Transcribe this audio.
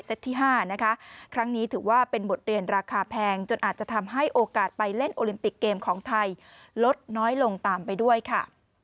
๕นะคะครั้งนี้ถือว่าเป็นบทเรียนราคาแพงจนอาจจะทำให้โอกาสไปเล่นโอลิมปิกเกมของไทยลดน้อยลงตามไปด้วยค่ะ